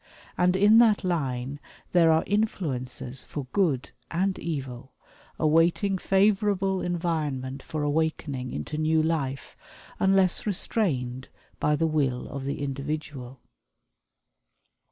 And in that line there are influences for good and evil, awaiting favorable environment for awakening into new life unless restrained by the will of the individual.